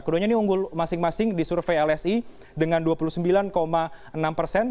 keduanya ini unggul masing masing di survei lsi dengan dua puluh sembilan enam persen